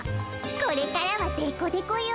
これからはデコデコよ。